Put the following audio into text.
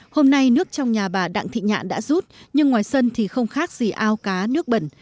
hôm nay nước trong nhà bà đặng thị nhạn đã rút nhưng ngoài sân thì không khác gì ao cá nước bẩn